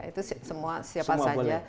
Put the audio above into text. itu semua siapa saja